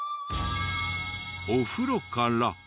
お風呂から。